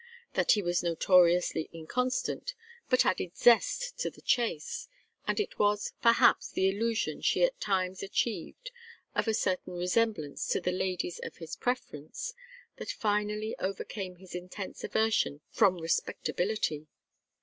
That he was notoriously inconstant but added zest to the chase, and it was, perhaps, the illusion she at times achieved of a certain resemblance to the ladies of his preference that finally overcame his intense aversion from respectability.